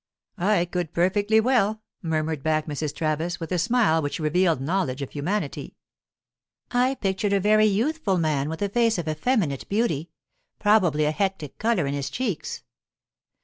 "I could perfectly well," murmured back Mrs. Travis, with a smile which revealed knowledge of humanity. "I pictured a very youthful man, with a face of effeminate beauty probably a hectic colour in his cheeks."